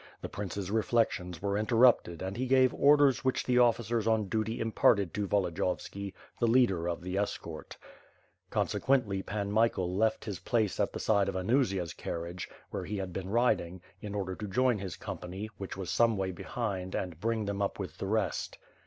The Prince's reflections were interrupted and he gave orders which the officers on duty imparted to Volodiyovski, the leader of the escort* Consequently, Pan Michael left his WITH FIRE AVD SWORD. ^^^ place at the side of Anusia's carriage, where he had been riding, in order to join his company, which was some way behind and bring them up with the rest.